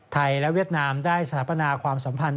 ไทยและเวียดนามได้สถาปนาความสัมพันธ